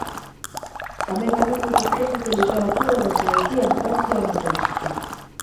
Tamén gañou moitos premios de literatura e de poesía en Francia e en Bélxica.